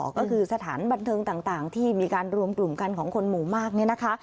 ก็คือสถานบันเทิงต่างที่มีการรวมกลุ่มกันของคนหมู่มากเนี่ยนะคะ